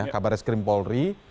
kabar reskrim polri